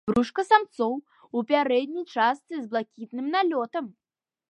Брушка самцоў у пярэдняй частцы з блакітным налётам.